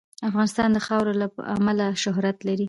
افغانستان د خاوره له امله شهرت لري.